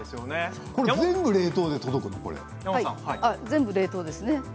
全部冷凍ですね。